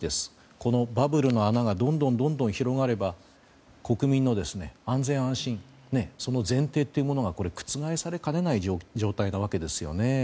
このバブルの穴がどんどん広がれば国民の安全・安心その前提というものが覆されかねない状態なわけです。